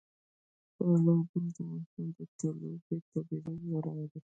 تالابونه د افغانستان د طبیعي پدیدو یو رنګ دی.